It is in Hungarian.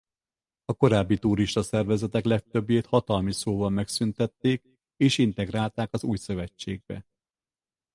A korábbi turista szervezetek legtöbbjét hatalmi szóval megszüntették és integrálták az új szövetségbe.